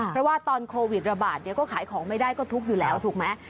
เพราะว่าตอนโควิดระบาดเนี่ยก็ขายของไม่ได้ก็ทุกข์อยู่แล้วถูกไหม